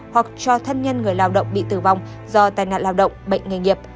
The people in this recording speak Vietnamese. hoặc cho thân nhân người lao động bị tử vong do tai nạn lao động bệnh nghề nghiệp